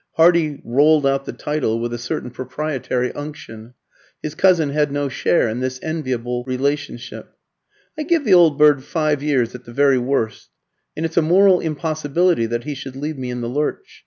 Hardy rolled out the title with a certain proprietary unction; his cousin had no share in this enviable relationship. "I give the old bird five years at the very worst, and it's a moral impossibility that he should leave me in the lurch.